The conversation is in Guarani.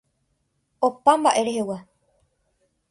Opa mba'e rehegua.